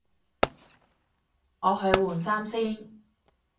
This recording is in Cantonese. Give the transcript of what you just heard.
我去換衫先